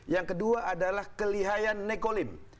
yang kedua adalah kelihayan nekolim